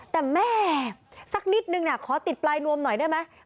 แต่แม่สักนิดนึงนะขอติดปลายนวมหน่อยได้ไหม